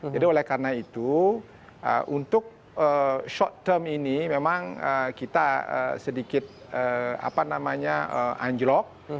jadi oleh karena itu untuk short term ini memang kita sedikit anjlok